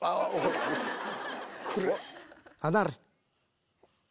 離れ！